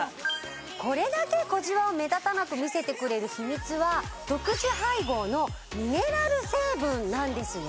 これだけ小じわを目立たなく見せてくれる秘密は独自配合のミネラル成分なんですね